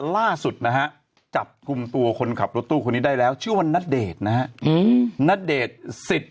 ล่าสุดนะฮะจับกุมตัวคนขับรถตู้คนนี้ได้แล้วชื่อว่านัดเดชนัดเดชศิษฐ์มณมัย